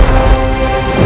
jangan ganggu dia